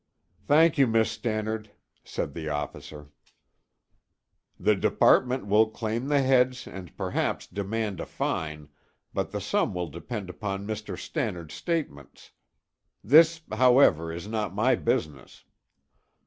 "Thank you, Miss Stannard," said the officer. "The department will claim the heads and perhaps demand a fine, but the sum will depend upon Mr. Stannard's statements. This, however, is not my business."